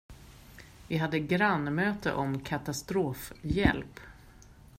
Vi hade grannmöte om katastrofhjälp.